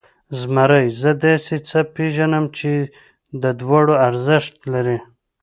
زمري، زه داسې څه پېژنم چې د دواړو ارزښت لري.